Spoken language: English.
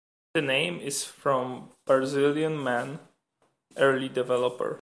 The name is from Barzillian Mann, early developer.